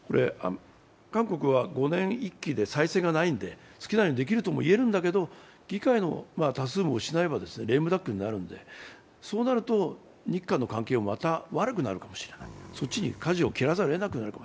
韓国は５年１期で再選がないので好きなようにできるとも言えるんだけども、議会が多数を失えばレームダックになるので、そうなると日韓の関係もまた悪くなるかもしれない、そっちにかじを切らざるをえなくなる。